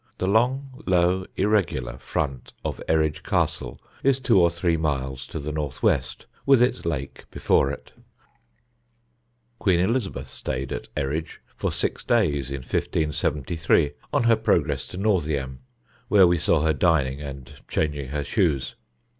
The long low irregular front of Eridge Castle is two or three miles to the north west, with its lake before it. [Sidenote: LORD NORTH'S DISCOVERY] Queen Elizabeth stayed at Eridge for six days in 1573, on her progress to Northiam, where we saw her dining and changing her shoes.